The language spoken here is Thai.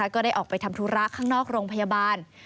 ก็ได้ออกไปทำธุระข้างนอกโรงพยาบาล